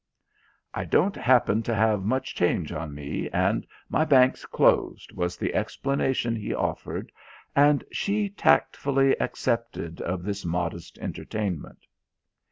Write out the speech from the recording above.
"I don't happen to have much change on me, and my bank's closed," was the explanation he offered, and she tactfully accepted of this modest entertainment.